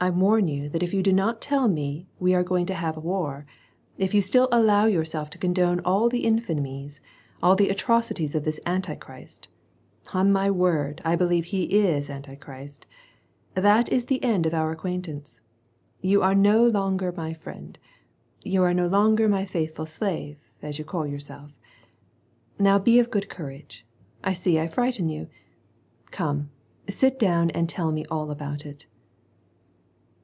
I warn you that if you do not tell me we are going to have war, if you still allow yourself to condone all the infamies, all the atrocities of this Antichrist — on my word I believe he is Antichrist — .that is the end of our acquaintance ; you are no longer ray friend, you are no longer my faithful slave, as you caJl yourself.* Now, be of good courage, I see I frighten you. Come, sit down and tell me all about it."